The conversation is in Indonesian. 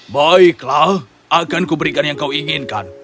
baiklah akan kuberikan yang kau inginkan